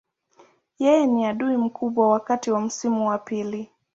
Yeye ni adui mkubwa wakati wa msimu wa pili.